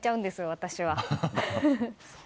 私は。